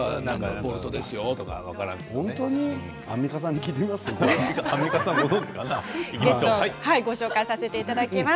ボルトですよってアンミカさんに聞いてみます？